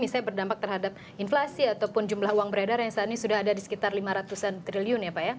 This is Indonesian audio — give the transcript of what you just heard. misalnya berdampak terhadap inflasi ataupun jumlah uang beredar yang saat ini sudah ada di sekitar lima ratus an triliun ya pak ya